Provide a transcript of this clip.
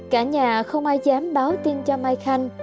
cả nhà không ai dám báo tin cho mai khanh